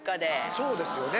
そうですよね